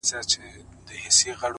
دادی حالاتو سره جنگ کوم لگيا يمه زه،